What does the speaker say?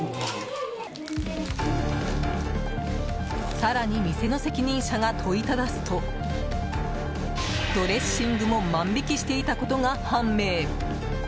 更に店の責任者が問いただすとドレッシングも万引きしていたことが判明。